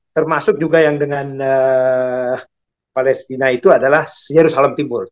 termasuk juga yang dengan palestina itu adalah yerusa alam timur